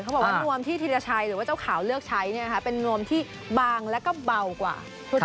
บอกว่านวมที่ธีรชัยหรือว่าเจ้าขาวเลือกใช้เป็นนวมที่บางแล้วก็เบากว่า